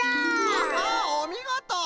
アッハおみごと！